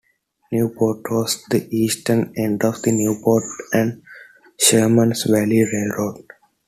Newport was the eastern end of the Newport and Shermans Valley Railroad.